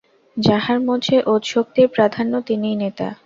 যাঁহার মধ্যে ওজঃশক্তির প্রাধান্য, তিনিই নেতা।